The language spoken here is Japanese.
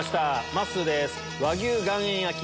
まっすーです。